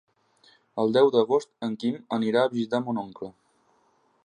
El deu d'agost en Quim anirà a visitar mon oncle.